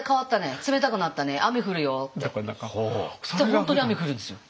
本当に雨降るんですよ。